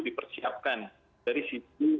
dipersiapkan dari sisi